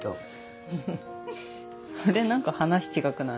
フフフそれ何か話違くない？